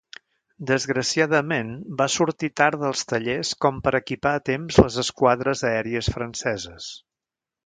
Desgraciadament, va sortir tard dels tallers com per equipar a temps les esquadres aèries franceses.